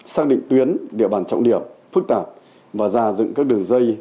xác định tuyến địa bàn trọng điểm phức tạp và ra dựng các đường dây